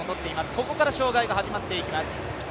ここから障害が始まっていきます。